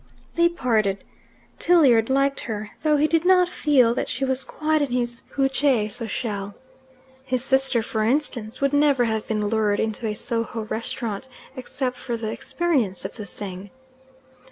They parted. Tilliard liked her, though he did not feel that she was quite in his couche sociale. His sister, for instance, would never have been lured into a Soho restaurant except for the experience of the thing.